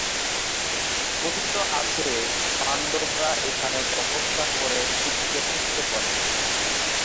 কথিত আছে, পাণ্ডবরা এখানে তপস্যা করে শিবকে তুষ্ট করেন।